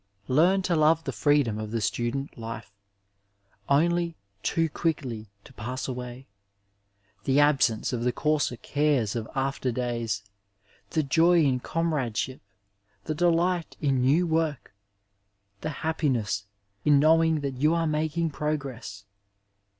Learn to love the freedom of the student life, only too quickly to pass away ; the absence of the coarser cares of after days, the joy in comradeship, the delight in new work, the happiness in knowing that you are making progress.